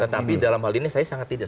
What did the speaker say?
tetapi dalam hal ini saya sangat tidak